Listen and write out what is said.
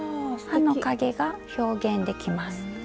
葉のかげが表現できます。